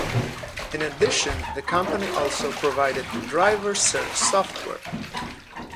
In addition the company also provided driver search software.